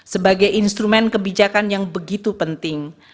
sebagai instrumen kebijakan yang begitu penting